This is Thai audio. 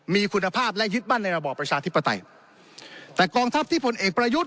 มีคุณภาพและยึดมั่นในระบอบประชาธิปไตยแต่กองทัพที่ผลเอกประยุทธ์